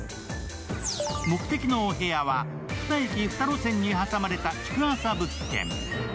目的のお部屋は２駅２路線に挟まれた築浅物件。